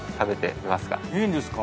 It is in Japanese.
いいんですか？